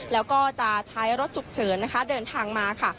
แล้วก็จะใช้รถฉุกเฉินนะคะเดินทางมาค่ะ